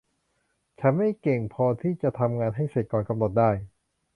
ฉันไม่เก่งพอที่จะทำงานให้เสร็จก่อนกำหนดได้